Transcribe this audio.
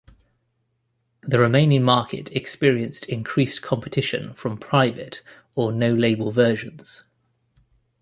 The remaining market experienced increased competition from private- or no-label versions.